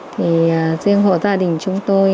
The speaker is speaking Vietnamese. thì riêng hộ gia đình chúng tôi